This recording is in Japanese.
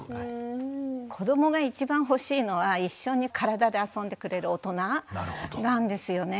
子どもが一番欲しいのは一緒に体で遊んでくれる大人なんですよね。